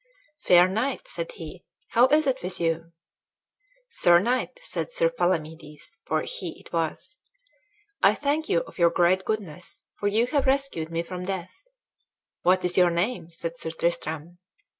"Fair knight," said he, "how is it with you?" "Sir knight," said Sir Palamedes, for he it was, "I thank you of your great goodness, for ye have rescued me from death." "What is your name?" said Sir Tristram.